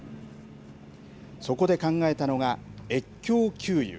そこで考えたのが、越境給油。